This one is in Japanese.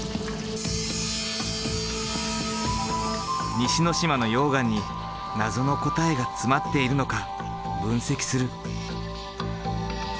西之島の溶岩に謎の答えが詰まっているのか分析する。